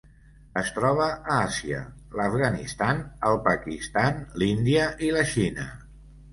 Es troba a Àsia: l'Afganistan, el Pakistan, l'Índia i la Xina.